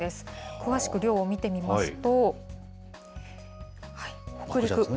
詳しく量を見てみますと。